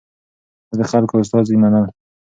ده د خلکو استازي منل.